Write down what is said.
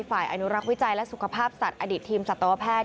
อนุรักษ์วิจัยและสุขภาพสัตว์อดีตทีมสัตวแพทย์